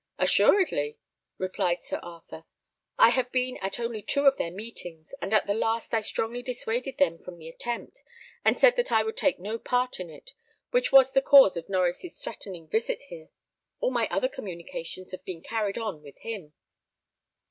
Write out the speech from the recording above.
"Assuredly," replied Sir Arthur. "I have been at only two of their meetings; and at the last I strongly dissuaded them from the attempt, and said that I would take no part in it, which was the cause of Norries' threatening visit here. All my other communications have been carried on with him."